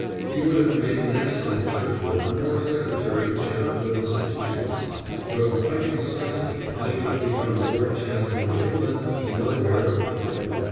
He would have made an excellent churchwarden or a secretary to charitable institutions, but why precisely he should have become Lord Chancellor of England nowhere appeared.